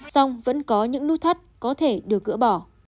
song vẫn có những nút thắt có thể được gỡ bỏ